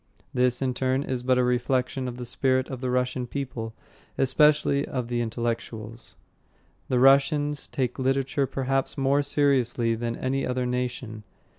This, in turn, is but a reflection of the spirit of the Russian people, especially of the intellectuals. The Russians take literature perhaps more seriously than any other nation.